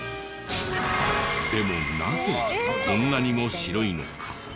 でもなぜこんなにも白いのか？